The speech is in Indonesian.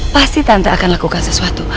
pasti tante akan lakukan sesuatu